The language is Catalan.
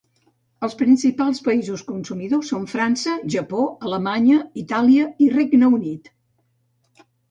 Els principals països consumidors són França, Japó, Alemanya, Itàlia i Regne Unit.